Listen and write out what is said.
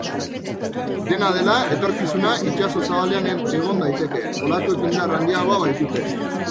Dena dela, etorkizuna itsaso zabalean egon daiteke, olatuek indar handiagoa baitute.